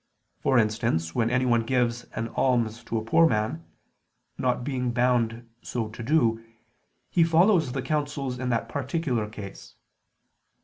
For instance, when anyone gives an alms to a poor man, not being bound so to do, he follows the counsels in that particular case.